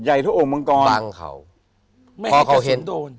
ใหญ่เท่าโอ่งมังกรปังเขาไม่ให้เคสนโดน